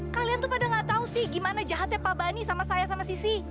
kalian tuh pada gak tau sih gimana jahatnya pak bani sama saya sama sisi